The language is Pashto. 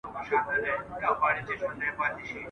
په سبا اعتبار نسته که هرڅو ښکاریږي ښکلی !.